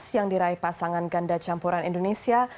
yang diraih pasangan ganda campuran indonesia